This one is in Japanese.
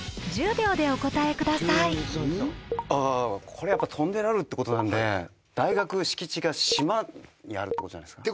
ああこれトンネルあるって事なんで大学敷地が島にあるって事じゃないですか。